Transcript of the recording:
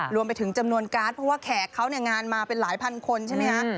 รวมไปถึงจำนวนการ์ดเพราะว่าแขกเขาเนี่ยงานมาเป็นหลายพันคนใช่ไหมคะ